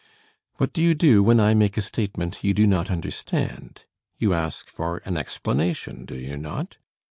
What do you do when I make a statement you do not understand? You ask for an explanation, do you not?